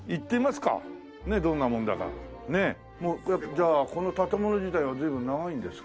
じゃあこの建物自体は随分長いんですか？